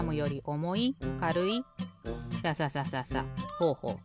ほうほう。